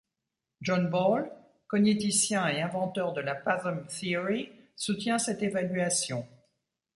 John Ball, cogniticien et inventeur de la Pathom Theory soutient cette évaluation.